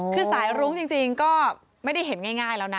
คือสายรุ้งจริงก็ไม่ได้เห็นง่ายแล้วนะ